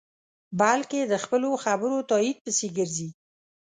بلکې د خپلو خبرو تایید پسې گرځي.